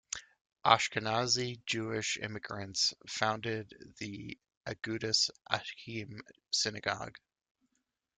Ashkenazy Jewish immigrants founded the Agudas Achim Synagogue.